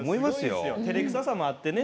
てれくささもあってね